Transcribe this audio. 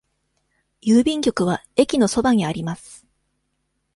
郵便局は駅のそばにあります。